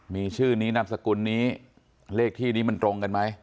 มีชื่อนี้นามสกุลนี้เลขที่นี้มันตรงกันไหม